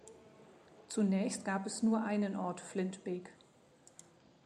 Zunächst gab es nur einen Ort Flintbek.